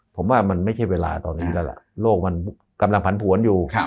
ผมว่ามันไม่ใช่เวลาตอนนี้แล้วล่ะโลกมันกำลังผันผวนอยู่